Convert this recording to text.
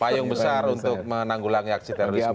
payung besar untuk menanggulangi aksi terorisme